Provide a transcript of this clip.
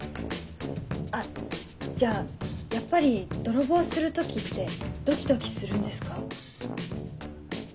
あっじゃあやっぱり泥棒する時ってドキドキするんですか？